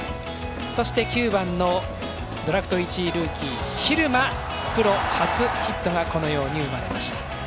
そして、９番のドラフト１位ルーキー、蛭間プロ初ヒットがこのように生まれました。